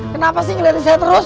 kenapa sih ngeliatin saya terus